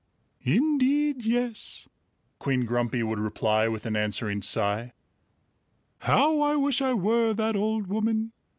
"Indeed, yes!" Queen Grumpy would reply with an answering sigh. "How I wish I were that old woman.